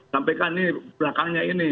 sampaikan ini belakangnya ini